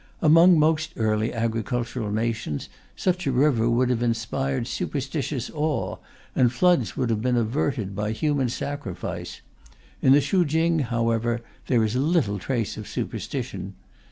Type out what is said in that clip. Among most early agricultural nations, such a river would have inspired superstitious awe, and floods would have been averted by human sacrifice; in the Shu King, however, there is little trace of superstition.